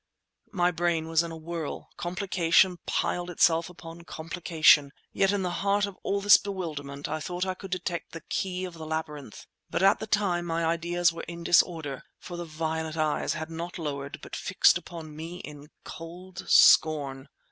My brain was in a whirl; complication piled itself upon complication; yet in the heart of all this bewilderment I thought I could detect the key of the labyrinth, but at the time my ideas were in disorder, for the violet eyes were not lowered but fixed upon me in cold scorn.